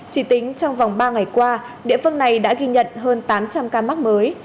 chỉ tính trong vòng ba ngày qua địa phương này đã ghi nhận hơn tám trăm linh ca mắc mới